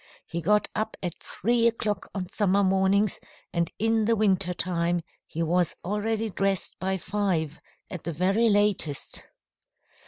He got up at three o'clock on summer mornings, and in the winter time he was always dressed by five, at the very latest.